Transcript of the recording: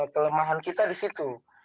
kelemahan kita di situ